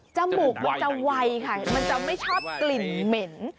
จมูกมันจะไวค่ะมันจะไม่ชอบกลิ่นเหม็น